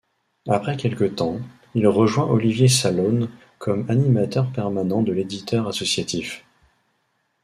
Après quelque temps, il rejoint Olivier Salaün comme animateur permanent de l'éditeur associatif.